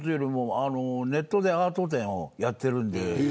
ネットでアート展をやってるんで。